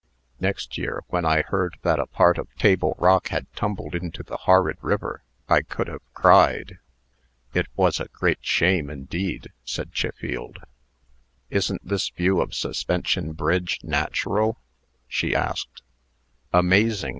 Next year, when I heard that a part of Table Rock had tumbled into the horrid river, I could have cried." "It was a great shame, indeed!" said Chiffield. "Isn't this view of Suspension Bridge natural?" she asked "Amazing!"